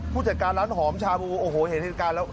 ผู้จัดการร้านหอมชาบูโอ้โหเห็นเหตุการณ์แล้ว